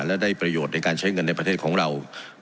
และได้ประโยชน์ในการใช้เงินในประเทศของเรา